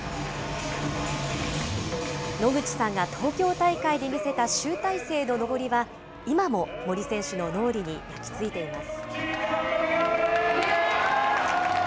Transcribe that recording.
野口さんが東京大会で見せた集大成の登りは、今も森選手の脳裏に焼き付いています。